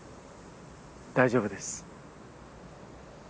大丈夫です。